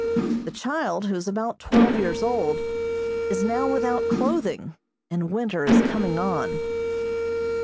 The child, who is about twelve years old, is now without clothing, and winter is coming on.